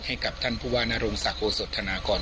ให้กับท่านผู้ว่านโรงศักดิ์โอสธนากร